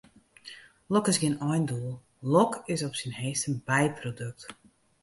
Lok is gjin eindoel, lok is op syn heechst in byprodukt.